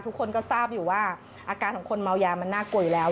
ทุกคนก็ทราบอยู่ว่าอาการของคนเมายามันน่ากลัวอยู่แล้ว